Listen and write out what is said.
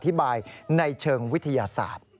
อธิบายในเชิงวิทยาศาสตร์